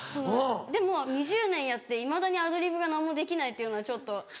でも２０年やっていまだにアドリブが何もできないっていうのは。